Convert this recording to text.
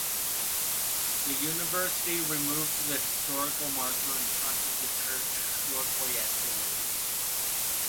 The university removed the historical marker in front of the church shortly afterward.